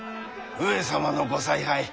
上様のご采配